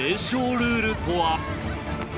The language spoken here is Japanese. ルールとは！？